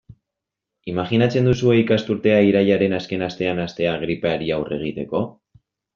Imajinatzen duzue ikasturtea irailaren azken astean hastea gripeari aurre egiteko?